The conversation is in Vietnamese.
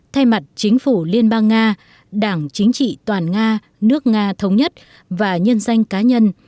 thay mặt chính phủ liên bang nga đảng chính trị toàn nga nước nga thống nhất và nhân danh cá nhân